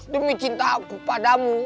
demi cinta aku padamu